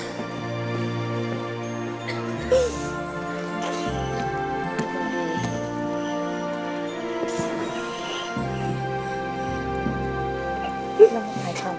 มา